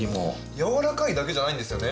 やわらかいだけじゃないんですね。